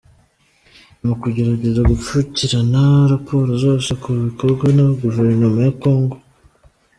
Ni ukugerageza gupfukirana raporo zose ku bikorwa na Guverinoma ya Congo.